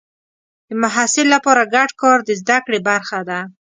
د محصل لپاره ګډ کار د زده کړې برخه ده.